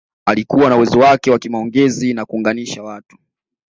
Alikuwa na uwezo wake wa kimaongezi na kuunganisha watu